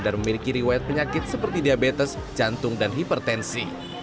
dan memiliki riwayat penyakit seperti diabetes jantung dan hipertensi